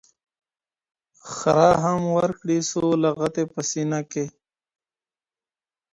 خره هم ورکړې څو لغتي په سینه کي